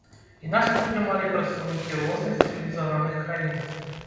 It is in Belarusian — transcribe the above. І нас падтрымалі прадстаўнікі розных цывілізаваных краін.